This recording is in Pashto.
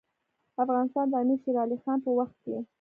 افغانستان د امیر شیرعلي خان په وخت کې.